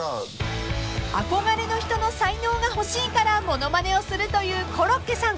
［憧れの人の才能が欲しいからものまねをするというコロッケさん］